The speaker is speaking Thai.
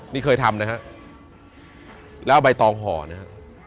นี่เคยทำนะฮะแล้วเอาใบตองห่อนะฮะ